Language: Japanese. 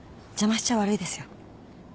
邪魔しちゃ悪いですよ。